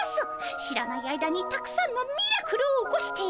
知らない間にたくさんのミラクルを起こしている。